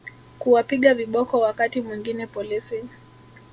kuwapiga viboko Wakati mwingine polisi